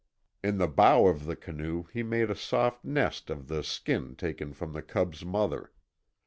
In the bow of the canoe he made a soft nest of the skin taken from the cub's mother.